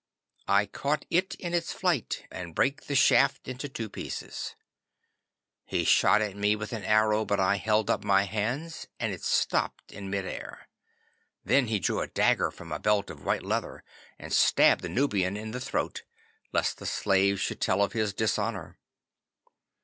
I caught it in its flight, and brake the shaft into two pieces. He shot at me with an arrow, but I held up my hands and it stopped in mid air. Then he drew a dagger from a belt of white leather, and stabbed the Nubian in the throat lest the slave should tell of his dishonour.